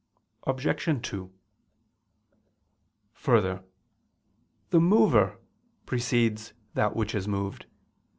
Obj. 2: Further, the mover precedes that which is moved.